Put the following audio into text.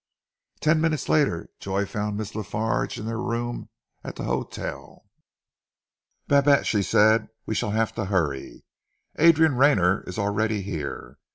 Ten minutes later Joy found Miss La Farge in their room at the hotel. "Babette," she said, "we shall have to hurry. Adrian Rayner is already here.